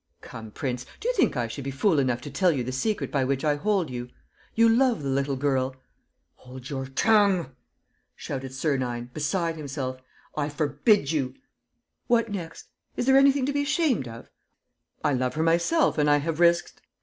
"Come, prince, do you think I should be fool enough to tell you the secret by which I hold you? You love the little girl ..." "Hold your tongue!" shouted Sernine, beside himself. "I forbid you. ..." "What next? Is there anything to be ashamed of? I love her myself and I have risked